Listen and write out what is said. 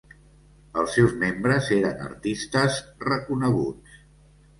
Els seus membres eren artistes reconeguts.